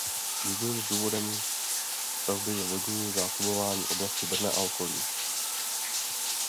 Jedním z důvodem stavby je vodní zásobování oblasti Brna a okolí.